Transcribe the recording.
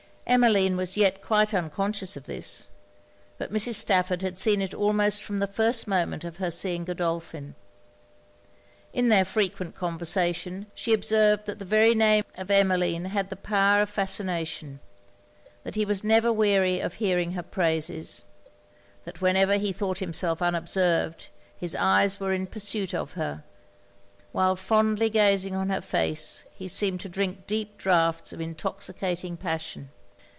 Emmeline was yet quite unconscious of this: but Mrs. Stafford had seen it almost from the first moment of her seeing Godolphin. In their frequent conversation, she observed that the very name of Emmeline had the power of fascination; that he was never weary of hearing her praises; that whenever he thought himself unobserved, his eyes were in pursuit of her; while fondly gazing on her face, he seemed to drink deep draughts of intoxicating passion.